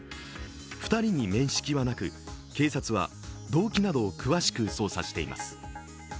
２人に面識はなく、警察は動機などを詳しく捜査しています。